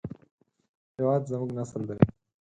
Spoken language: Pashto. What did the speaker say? هېواد زموږ نسل دی